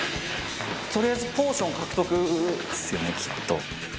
取りあえずポーション獲得ですよねきっと。